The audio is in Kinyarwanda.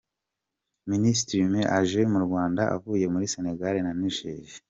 Minisitiri Müller aje mu Rwanda avuye muri Senegal na Niger.